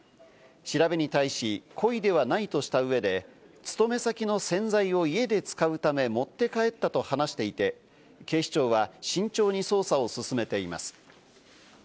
調べに対し、故意ではないとした上で、勤め先の洗剤を家で使うため持って帰ったと話していて、警視庁は慎重に捜査を進めています。